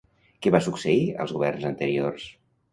Què va succeir als governs anteriors?